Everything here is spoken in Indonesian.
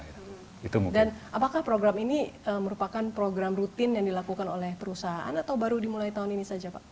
dan apakah program ini merupakan program rutin yang dilakukan oleh perusahaan atau baru dimulai tahun ini saja pak